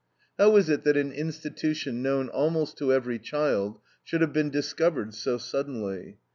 How is it that an institution, known almost to every child, should have been discovered so suddenly?